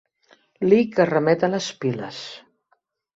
Li que remet a les piles.